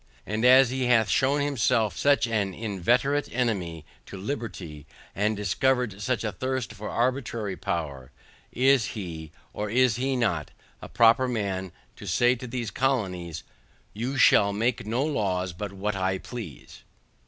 And as he hath shewn himself such an inveterate enemy to liberty, and discovered such a thirst for arbitrary power; is he, or is he not, a proper man to say to these colonies, "YOU SHALL MAKE NO LAWS BUT WHAT I PLEASE."